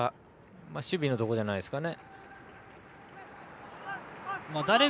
守備のところじゃないですかね。